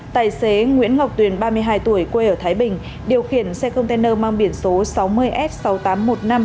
tài xế nguyễn ngọc tuyền ba mươi hai tuổi quê ở thái bình điều khiển xe container mang biển số sáu mươi f sáu nghìn tám trăm một mươi năm